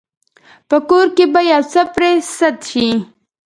په کور کې به يو څه پرې سد شي.